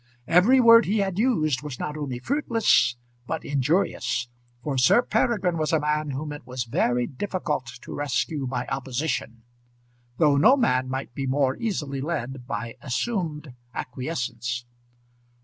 Every word he had used was not only fruitless, but injurious; for Sir Peregrine was a man whom it was very difficult to rescue by opposition, though no man might be more easily led by assumed acquiescence.